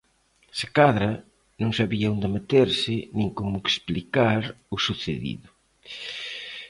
Se cadra, non sabía onde meterse nin como explicar o sucedido.